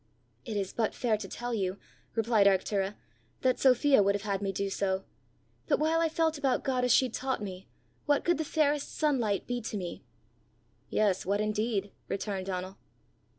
"It is but fair to tell you," replied Arctura, "that Sophia would have had me do so; but while I felt about God as she taught me, what could the fairest sunlight be to me?" "Yes, what indeed!" returned Donal.